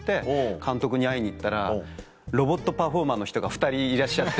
監督に会いに行ったらロボットパフォーマーの人が２人いらっしゃって。